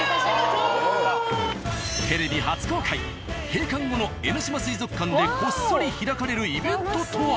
閉館後の新江ノ島水族館でこっそり開かれるイベントとは。